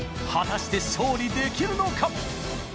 果たして勝利できるのか？